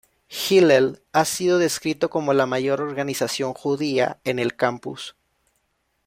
Hillel ha sido descrito como la mayor organización judía en el campus.